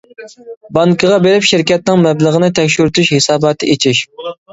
بانكىغا بېرىپ شىركەتنىڭ مەبلىغىنى تەكشۈرتۈش ھېساباتى ئېچىش.